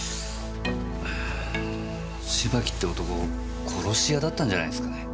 芝木って男殺し屋だったんじゃないんですかね？